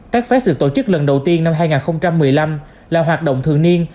techfest được tổ chức lần đầu tiên năm hai nghìn một mươi năm là hoạt động thường niên